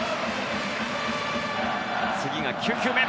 次が９球目。